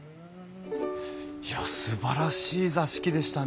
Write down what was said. いやすばらしい座敷でしたね。